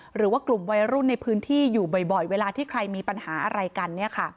หรือว่ากลุ่มวัยรุ่นในพื้นที่อยู่บ่อยเวลาที่ใครมีปัญหาอะไรกัน